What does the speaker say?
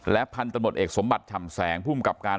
และพรรณตำรวจเอกสมบัติภาคซัมแสงท่องกรกัล